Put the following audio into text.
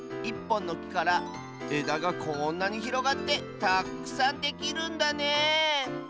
１ぽんのきからえだがこんなにひろがってたくさんできるんだね